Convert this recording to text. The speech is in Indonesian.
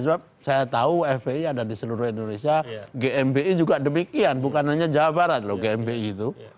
sebab saya tahu fpi ada di seluruh indonesia gmi juga demikian bukan hanya jawa barat loh gmi itu